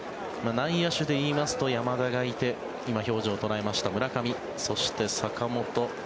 内野手で言いますと山田がいて今、表情を捉えました村上。